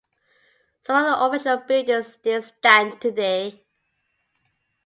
Some of the original buildings still stand today.